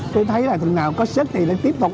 tôi thấy là thừng nào có sức thì nó tiếp tục